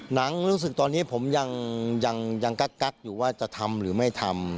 รู้สึกตอนนี้ผมยังกักอยู่ว่าจะทำหรือไม่ทำ